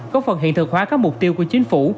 có phần hiện thực hóa các mục tiêu của chính phủ